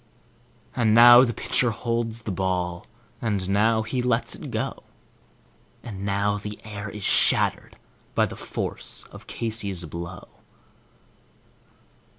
And now the pitcher holds the ball, and now he lets it go, And now the air is shattered by the force of Casey's blow.